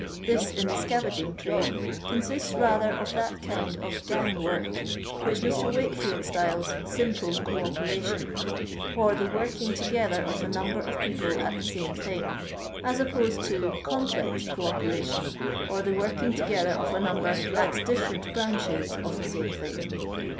This in the scavaging trade consists lather of that kind of " gang work " whicli Mr. Wakefield styles "simple co operation,^ or the working together of a number of people at the same thing, as opposed to ''complex co operation,'* or the working together of a number at different branches of the same thing.